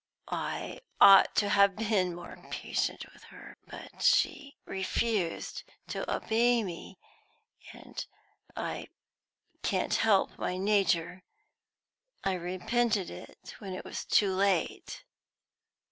"I ought to have been more patient with her. But she refused to obey me, and I can't help my nature. I repented it when it was too late."